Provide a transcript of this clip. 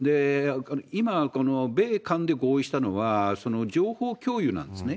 今、この米韓で合意したのは、情報共有なんですね。